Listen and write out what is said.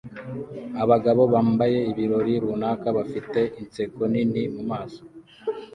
Abagabo bambaye ibirori runaka bafite inseko nini mumaso